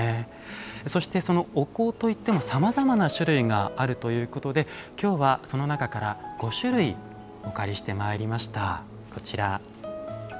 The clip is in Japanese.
そして、お香といってもさまざまな種類があるとのことできょうはその中から５種類お借りしてまいりました。